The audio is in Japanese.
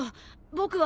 僕は。